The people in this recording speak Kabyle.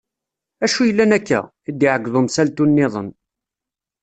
Acu yellan akka? i d-iɛeggeḍ umsaltu niḍen.